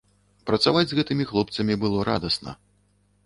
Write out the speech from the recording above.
Працаваць з гэтымі хлопцамі было радасна.